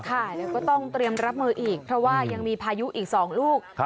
เดี๋ยวก็ต้องเตรียมรับมืออีกเพราะว่ายังมีพายุอีก๒ลูก